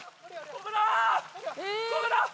ここだ！